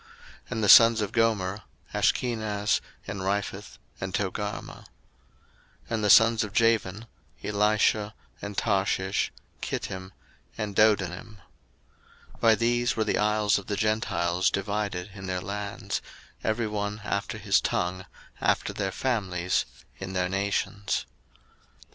01:010:003 And the sons of Gomer; Ashkenaz, and Riphath, and Togarmah. 01:010:004 And the sons of Javan; Elishah, and Tarshish, Kittim, and Dodanim. 01:010:005 By these were the isles of the Gentiles divided in their lands; every one after his tongue, after their families, in their nations.